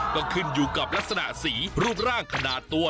ก็ขึ้นอยู่กับลักษณะสีรูปร่างขนาดตัว